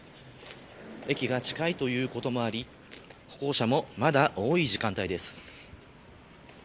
駅が近いということもあり歩行者もまだ多い時間帯です。